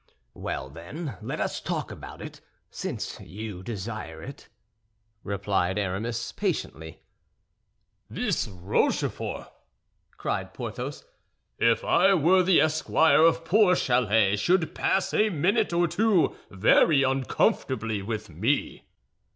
'" "Well, then, let us talk about it, since you desire it," replied Aramis, patiently. "This Rochefort," cried Porthos, "if I were the esquire of poor Chalais, should pass a minute or two very uncomfortably with me."